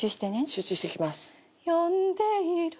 集中していきます。